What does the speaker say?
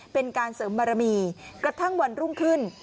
เป็นการเสริมบารมีกระทั่งวันรุ่งขึ้น